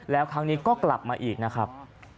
แล้วครั้งนี้ก็กลับมาอีกนะครับ